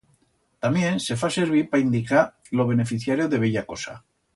Tamién se fa servir pa indicar lo beneficiario de bella cosa.